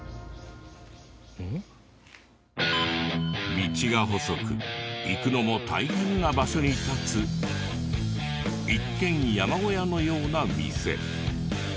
道が細く行くのも大変な場所に立つ一見山小屋のような店。